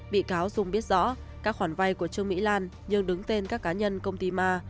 bị cáo dung biết rõ các khoản vay của trương mỹ lan nhưng đứng tên các cá nhân công ty ma